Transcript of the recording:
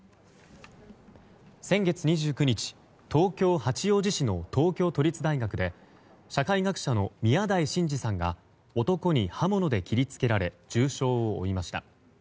先月２９日東京・八王子市の東京都立大学で社会学者の宮台真司さんが男に刃物で切り付けられ重傷を負いました。